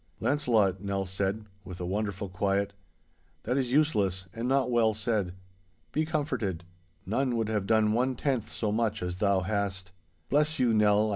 'Launcelot,' Nell said, with a wonderful quiet, 'that is useless, and not well said. Be comforted. None would have done one tenth so much as thou hast.' 'Bless you, Nell!